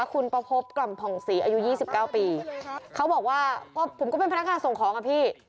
คุณประพบกรรมถ่องสีอายุยี่สิบเก้าปีเขาบอกว่าผมก็เป็นพนักงานส่งของอ่ะพี่